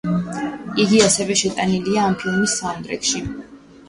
იგი ასევე შეტანილია ამ ფილმის საუნდტრეკში.